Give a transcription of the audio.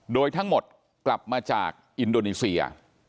โดยทั้งหมดกลับมาจากอินโดนีเซีย